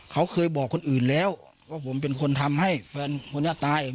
เขาเคยบอกคนอื่นแล้วว่าผมเป็นคนทำให้แฟนคนนี้ตาย